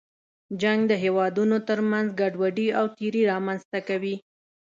جنګ د هېوادونو تر منځ ګډوډي او تېرې رامنځته کوي.